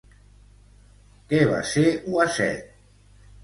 Què va ser Uaset?